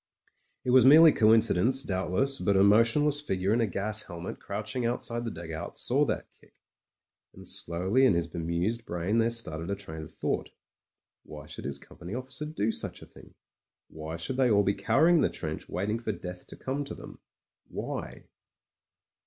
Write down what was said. ... It was merely coincidence doubtless, but a motion less figure in a gas helmet crouching outside the dug out saw that kick, and slowly in his bemused brain there started a train of thought. Why should his company officer do such a thing; why should they all be cowering in the trench waiting for death to come to them ; why